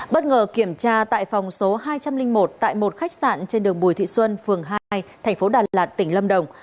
bất ngờ kiểm tra tại phòng số hai trăm linh một tại một khách sạn trên đường bùi thị xuân phường hai thành phố đà lạt tỉnh lâm đồng